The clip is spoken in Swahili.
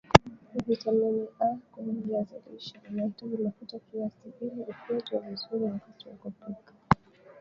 vitamini A kwenye viazi lishe inahitaji mafuta kiasi ili ifyonzwe vizuri wakati wa kupika